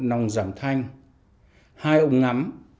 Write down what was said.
một nòng giảm thanh hai ống ngắm